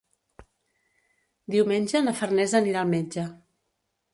Diumenge na Farners anirà al metge.